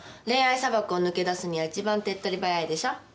恋愛砂漠を抜け出すには一番手っ取り早いでしょ？